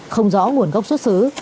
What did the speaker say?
không rõ nguồn gốc xuất xứ